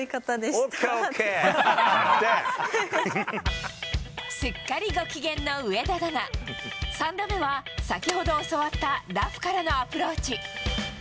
すっかりご機嫌の上田だが、３打目は先ほど教わったラフからのアプローチ。